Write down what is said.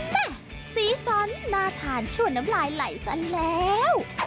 แม่สีส้อนหน้าทานชวนน้ำลายไหลสันแล้ว